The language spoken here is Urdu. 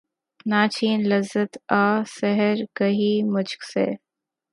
نہ چھین لذت آہ سحرگہی مجھ سے